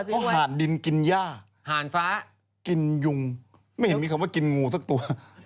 เขาหาดดินกินย่าหาดฟ้ากินยุงไม่เห็นมีคำว่ากินงูสักตัว